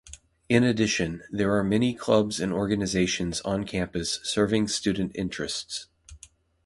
In addition, there are many clubs and organizations on campus serving student interests.